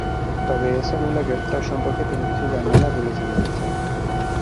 তবে এহসান উল্লাহ গ্রেপ্তার সম্পর্কে তিনি কিছু জানেন না বলে জানিয়েছেন।